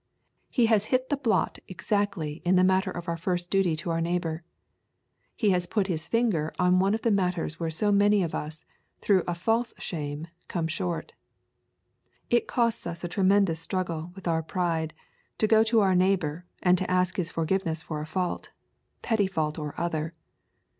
He has hit the blot exactly in the matter of our first duty to our neighbour; he has put his finger on one of the matters where so many of us, through a false shame, come short. It costs us a tremendous struggle with our pride to go to our neighbour and to ask his forgiveness for a fault, petty fault or other.